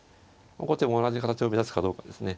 後手も同じ形を目指すかどうかですね。